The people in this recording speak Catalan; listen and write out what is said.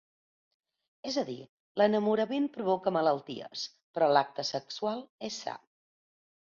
És a dir, l'enamorament provoca malalties, però l'acte sexual és sa.